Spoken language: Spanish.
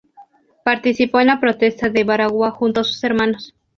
Participó en la Protesta de Baraguá junto a sus hermanos.